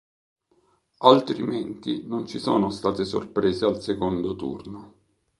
Altrimenti non ci sono state sorprese al secondo turno.